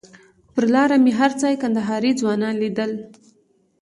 پر لاره مې هر ځای کندهاري ځوانان لیدل.